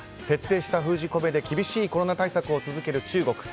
徹底した封じ込めで厳しいコロナ対策を続ける中国。